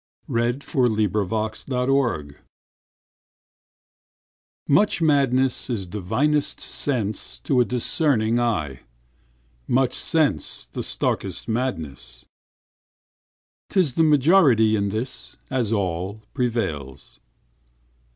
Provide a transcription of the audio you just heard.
1924. Part One: Life XI MUCH madness is divinest senseTo a discerning eye; Much sense the starkest madness.'T is the majorityIn this, as all, prevails.